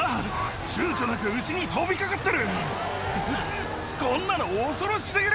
ちゅうちょなく牛に飛び掛かってる。